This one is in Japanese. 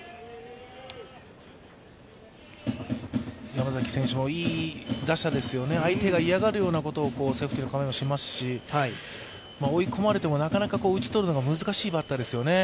山崎選手もいい打者ですよね、相手が嫌がること、セーフティの構えもしますし、追い込まれてもなかなか打ち取るのが難しいバッターですよね。